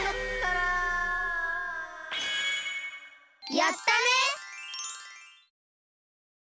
やったね！